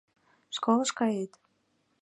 Школыш кает.